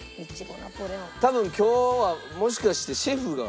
多分今日はもしかしてシェフが。